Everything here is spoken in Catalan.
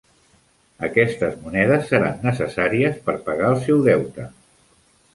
Aquestes monedes seran necessàries per pagar el seu deute.